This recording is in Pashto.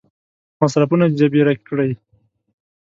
مصرفونه جبیره کړي.